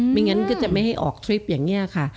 ไม่งั้นก็จะไม่ให้ออกทริปอย่างนี้ค่ะ